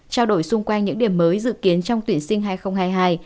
trao đổi xung quanh những điểm mới dự kiến trong tuyển sinh hai nghìn hai mươi hai